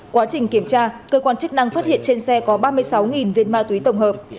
quá trình kiểm tra cơ quan chức năng phát hiện trên xe có ba mươi sáu viên ma túy tổng hợp